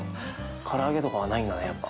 から揚げとかはないんだねやっぱ。